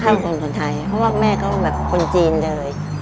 คนคนไทยเพราะว่าแม่เขาแบบคนจีนเลย